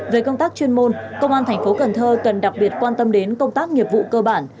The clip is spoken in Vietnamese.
về công tác chuyên môn công an thành phố cần thơ cần đặc biệt quan tâm đến công tác nghiệp vụ cơ bản